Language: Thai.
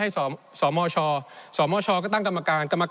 ในช่วงที่สุดในรอบ๑๖ปี